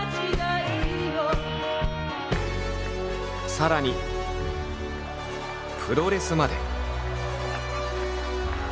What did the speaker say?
さらにプロレスまで。